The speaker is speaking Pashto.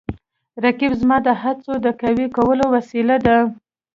رقیب زما د هڅو د قوي کولو وسیله ده